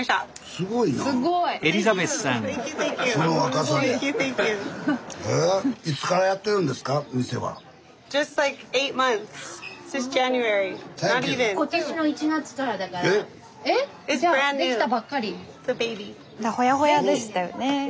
スタジオほやほやでしたよね。